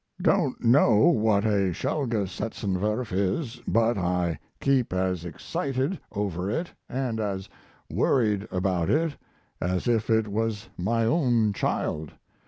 Don't know what a 'Schelgesetzentwurf' is, but I keep as excited over it and as worried about it as if it was my own child.